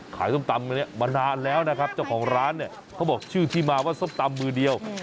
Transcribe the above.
ส้มตำเนี่ยมานานแล้วนะครับเจ้าของร้านเนี่ยเขาบอกชื่อที่มาว่าส้มตำมือเดียว